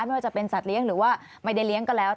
ไม่ว่าจะเป็นสัตว์เลี้ยงหรือว่าไม่ได้เลี้ยงก็แล้ว